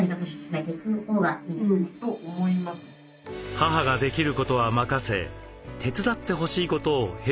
母ができることは任せ手伝ってほしいことをヘルパーが補う。